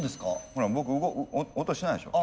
ほら僕音しないでしょ？